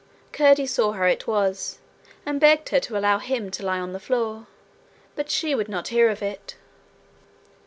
Curdie saw how it was, and begged her to allow him to lie on the floor, but she would not hear of it.